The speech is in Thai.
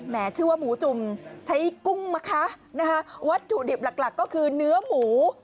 ชื่อว่าหมูจุ่มใช้กุ้งมะคะนะคะวัตถุดิบหลักหลักก็คือเนื้อหมู